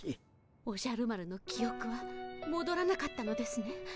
おじゃる丸の記おくはもどらなかったのですね？